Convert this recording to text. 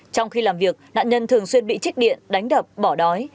trong khi làm việc nạn nhân thường xuyên bị trích điện đánh đập bỏ đói